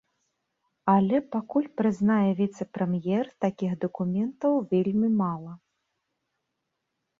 Але пакуль, прызнае віцэ-прэм'ер, такіх дакументаў вельмі мала.